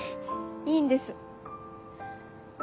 いいんです。